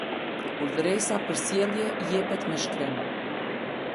Urdhëresa për sjellje jepet me shkrim.